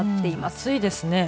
暑いですね。